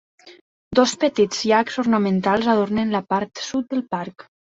Dos petits llacs ornamentals adornen la part sud del parc.